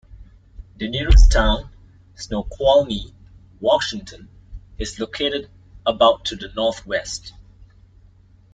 The nearest town, Snoqualmie, Washington, is located about to the northwest.